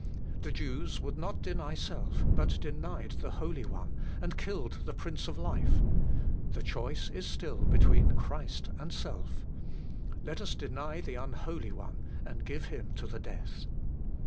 The Jews would not deny self, but 'denied the Holy One, and killed the Prince of Life.' The choice is still between Christ and self. Let us deny the unholy one, and give him to the death.